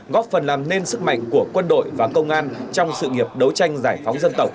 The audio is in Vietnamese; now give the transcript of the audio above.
góp phần làm nên sức mạnh của quân đội và công an trong sự nghiệp đấu tranh giải phóng dân tộc